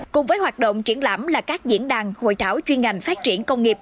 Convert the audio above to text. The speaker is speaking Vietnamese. cùng với hoạt động triển lãm là các diễn đàn hội thảo chuyên ngành phát triển công nghiệp